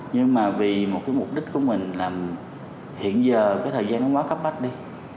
nhưng mà vì một cái mục đích của mình là hiện giờ cái thời gian nó quá cấp bách đi